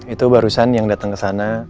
itu barusan yang datang ke sana